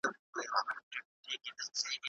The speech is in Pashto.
پخواني قاضیان د سولي په نړیوالو خبرو کي برخه نه لري.